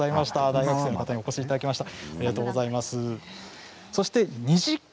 大学生の方にお越しいただきました。